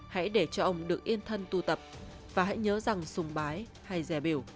hãy để cho ông được yên thân tu tập và hãy nhớ rằng sùng bái hay dè biểu